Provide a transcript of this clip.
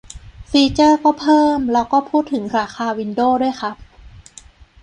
ฟีเจอร์ก็เพิ่ม แล้วก็พูดถึงราคาวินโดวส์ด้วยครับ